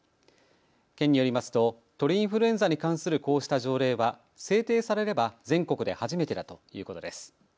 県によりますと鳥インフルエンザに関するこうした条例は制定されれば全国で初めてだということです。